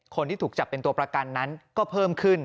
คนที่ถูกจับเป็นตัวประกันนั้นก็เพิ่มขึ้น